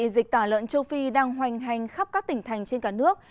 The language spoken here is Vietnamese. dịch tả lợn châu phi đang hoành hành khắp các tỉnh thành trên cả nước